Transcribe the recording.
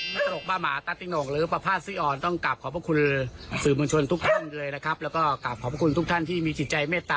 ก็หวังว่าทุกท่านต้องโชคดีปลอดภัยจากโรคโควิดทุกท่านเลย